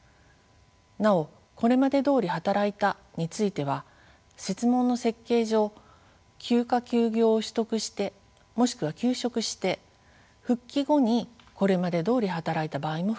なお「これまでどおり働いた」については設問の設計上休暇・休業を取得してもしくは休職して復帰後にこれまでどおり働いた場合も含まれます。